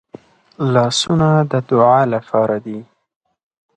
لاسونه د دعا لپاره دي